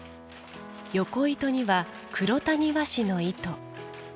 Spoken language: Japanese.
よこ糸には、黒谷和紙の糸。